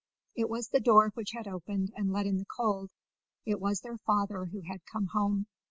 It was the door which had opened and let in the cold; it was their father who had come home.